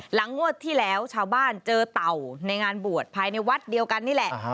งวดที่แล้วชาวบ้านเจอเต่าในงานบวชภายในวัดเดียวกันนี่แหละ